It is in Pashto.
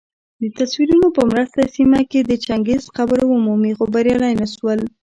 دتصویرونو په مرسته سیمه کي د چنګیز قبر ومومي خو بریالي نه سول